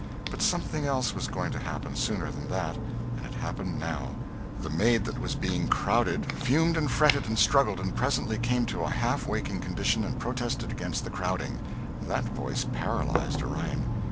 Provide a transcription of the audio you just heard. But something else was going to happen sooner than that, and it happened now. The maid that was being crowded fumed and fretted and struggled and presently came to a half waking condition and protested against the crowding. That voice paralyzed Orion.